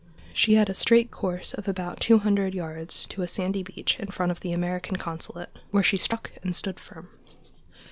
She had a straight course of about two hundred yards to the sandy beach in front of the American consulate, where she stuck and stood firm.